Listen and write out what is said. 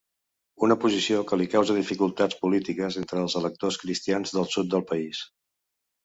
Una posició que li causa dificultats polítiques entre els electors cristians del sud del país.